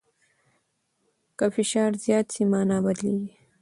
که فشار زیات سي، مانا بدلیږي.